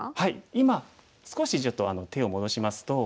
今少しちょっと手を戻しますと。